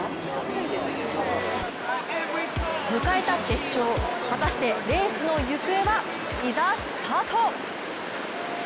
迎えた決勝、果たしてレースの行方はいざスタート。